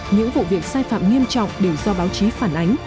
những vụ việc sai phạm nghiêm trọng đều do báo chí phản ánh